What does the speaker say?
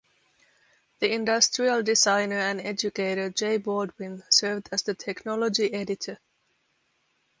The industrial designer and educator J. Baldwin served as the technology editor.